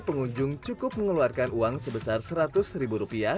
pengunjung cukup mengeluarkan uang sebesar seratus ribu rupiah